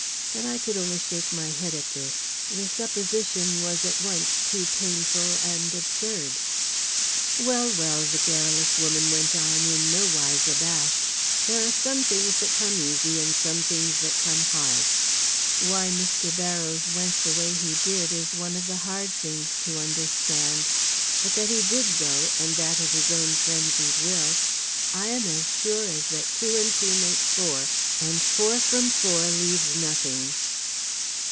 But I could only shake my head at this; the supposition was at once too painful and absurd. "Well, well," the garrulous woman went on, in no wise abashed, "there are some things that come easy and some things that come hard. Why Mr. Barrows went the way he did is one of the hard things to understand, but that he did go, and that of his own frenzied will, I am as sure as that two and two make four, and four from four leaves nothing."